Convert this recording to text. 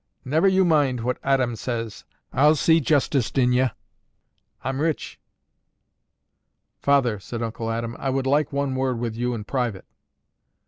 Never you mind what Aadam says. A'll see justice din ye. A'm rich." "Father," said Uncle Adam, "I would like one word with you in private."